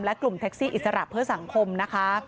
และกลุ่มแท็กซี่อิสระเพื่อสังคมนะคะ